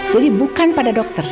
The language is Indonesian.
jadi bukan pada dokter